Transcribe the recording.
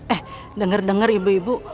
eh denger dengar ibu ibu